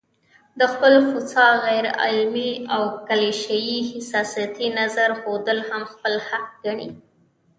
د خپل خوسا، غيرعلمي او کليشه يي حساسيتي نظر ښودل هم خپل حق ګڼي